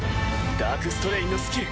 ダークストレインのスキル！